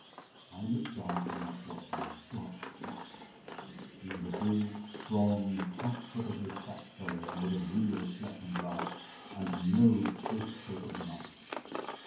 I looked down at the night watch man God bless him! He was a big, strong, comfortably fat fellow made of real flesh and blood, and no ghost shape of the night.